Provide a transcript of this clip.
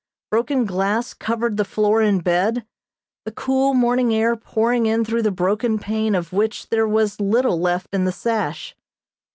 Broken glass covered the floor and bed, the cool morning air pouring in through the broken pane of which there was little left in the sash.